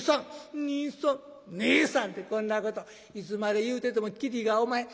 『ねえさん』ってこんなこといつまで言うてても切りがおまへん。